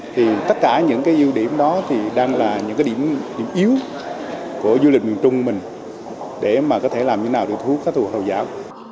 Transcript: thì tất cả những cái ưu điểm đó thì đang là những cái điểm yếu của du lịch miền trung mình để mà có thể làm như nào để thu hút khách hồi giáo